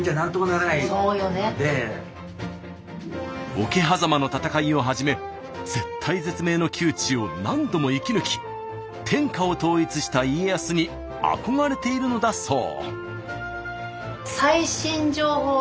桶狭間の戦いをはじめ絶体絶命の窮地を何度も生き抜き天下を統一した家康に憧れているのだそう。